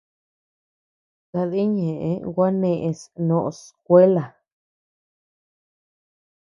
Sadï ñeʼe gua neʼes noʼos skuela.